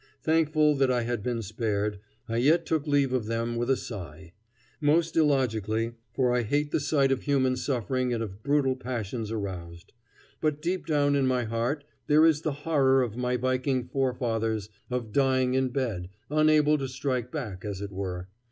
Thankful that I had been spared, I yet took leave of them with a sigh; most illogically, for I hate the sight of human suffering and of brutal passions aroused. But deep down in my heart there is the horror of my Viking forefathers of dying in bed, unable to strike back, as it were.